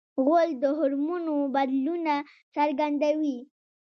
غول د هورمونونو بدلونه څرګندوي.